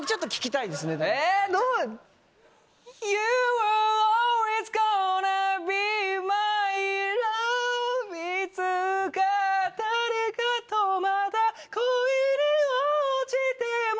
いつか誰かとまた恋に落ちても